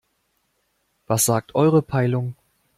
Was sagt eure Peilung?